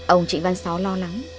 ông trịnh văn xó lo lắng